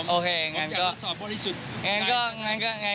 โอเคงั้นก็